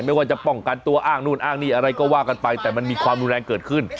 ไม่ว่าจะป้องกันตัวอ้างนู่นอ้างนี่อะไรก็ว่ากันไปแต่มันมีความรุนแรงเกิดขึ้น